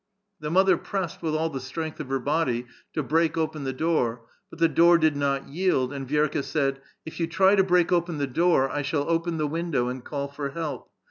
The mother pressed with all the strength of her body to break open the door, but the door did not yield, and Vi^rka said: " If you try to break open the door, I shall open the window and call for help.